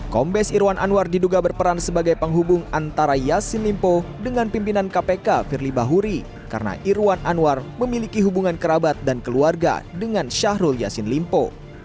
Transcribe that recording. kombes irwan anwar diduga berperan sebagai penghubung antara yassin limpo dengan pimpinan kpk firly bahuri karena irwan anwar memiliki hubungan kerabat dan keluarga dengan syahrul yassin limpo